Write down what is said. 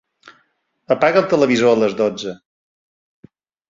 Apaga el televisor a les dotze.